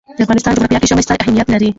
د افغانستان جغرافیه کې ژمی ستر اهمیت لري.